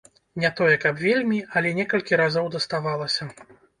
Не тое, каб вельмі, але некалькі разоў даставалася.